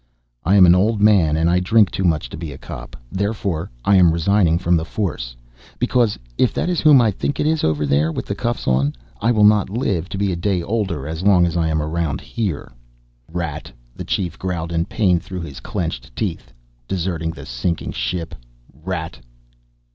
"I am an old man and I drink too much to be a cop. Therefore I am resigning from the force. Because if that is whom I think it is over there with the cuffs on, I will not live to be a day older as long as I am around here." "Rat." The Chief growled in pain through his clenched teeth. "Deserting the sinking ship. Rat."